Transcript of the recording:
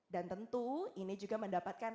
dan tentu ini juga mendapatkan